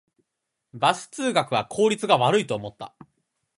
バス通学は効率が悪いと思った